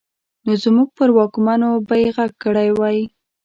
نو زموږ پر واکمنو به يې غږ کړی وای.